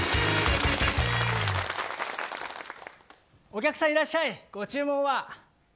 お客さんいらっしゃいご注文は。